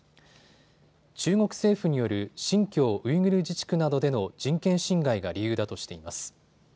中国政府による新疆ウイグル自治区などでの人権侵害が理由だとしています。